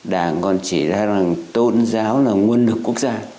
đảng còn chỉ ra rằng tôn giáo là nguồn lực quốc gia